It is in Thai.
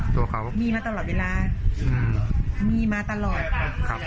ตัวเขามีมาตลอดเวลาอืมมีมาตลอดครับ